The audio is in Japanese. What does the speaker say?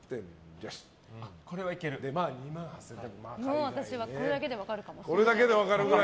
もう私はこれだけで分かるかも。